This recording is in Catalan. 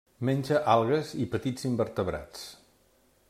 Menja algues i petits invertebrats.